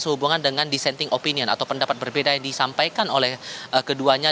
sehubungan dengan dissenting opinion atau pendapat berbeda yang disampaikan oleh keduanya